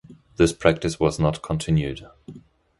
This practice was not continued.